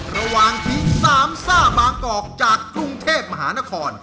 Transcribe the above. ระหว่างทีมสามซ่าบางกอกจากกรุงเทพมหานคร